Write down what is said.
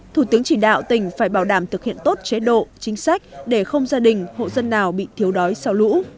thủ tướng chỉ đạo tỉnh phải bảo đảm thực hiện tốt chế độ chính sách để không gia đình hộ dân nào bị thiếu đói sau lũ